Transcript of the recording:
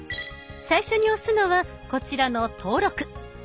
最初に押すのはこちらの「登録」。